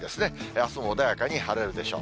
あすも穏やかに晴れるでしょう。